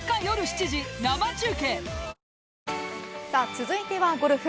続いてはゴルフ。